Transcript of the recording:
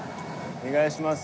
お願いします。